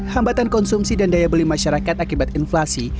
hambatan konsumsi dan daya beli masyarakat akibat inflasi